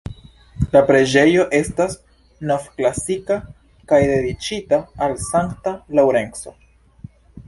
La preĝejo estas novklasika kaj dediĉita al Santa Laŭrenco.